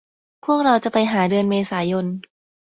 พวกเราจะไปหาเดือนเมษายน